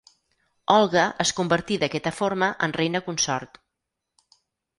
Olga es convertí d'aquesta forma en reina consort.